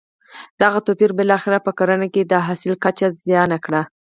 دغه توپیر بالاخره په کرنه کې د حاصل کچه زیانه کړه.